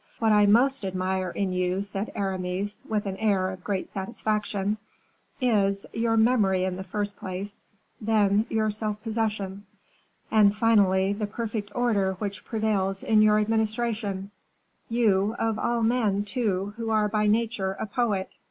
"What I most admire in you," said Aramis, with an air of great satisfaction, "is, your memory in the first place, then your self possession, and, finally, the perfect order which prevails in your administration; you, of all men, too, who are by nature a poet."